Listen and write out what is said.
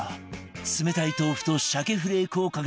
冷たい豆腐と鮭フレークをかけた丼